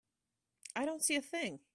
I don't see a thing.